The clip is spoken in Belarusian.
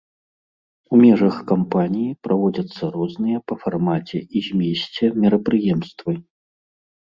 У межах кампаніі праводзяцца розныя па фармаце і змесце мерапрыемствы.